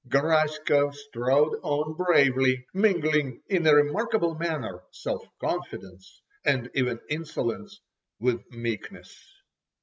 Garaska strode on bravely, mingling in a remarkable manner self confidence, and even insolence, with meekness.